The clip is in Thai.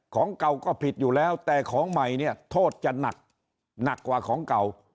ของเก่าก็ผิดอยู่แล้วแต่ของใหม่เนี่ยโทษจะหนักหนักกว่าของเก่า